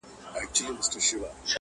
o کور ساړه او دروند دی او ژوند پکي بند,